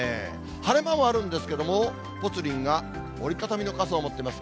晴れ間はあるんですけれども、ぽつリンが折り畳みの傘を持っています。